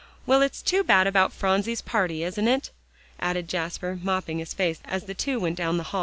Well, it's too bad about Phronsie's party, isn't it?" added Jasper, mopping up his face as the two went down the hall.